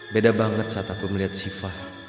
beda banget saat aku melihat sifah